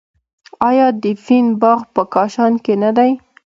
آیا د فین باغ په کاشان کې نه دی؟